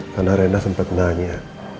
karena rena sempet nanya